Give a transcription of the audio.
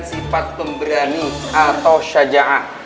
sifat pemberani atau syaja'ah